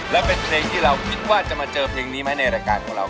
และเป็นเพลงที่เราคิดว่าจะมาเจอเพลงนี้ไหมในรายการของเรา